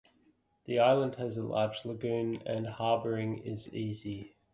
The island has a large lagoon and harbouring is easy.